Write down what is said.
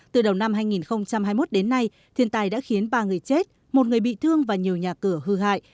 từ đầu năm hai nghìn hai mươi một đến nay thiên tài đã khiến ba người chết một người bị thương và nhiều nhà cửa hư hại